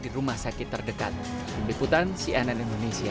di rumah sakit terdekat meliputan cnn indonesia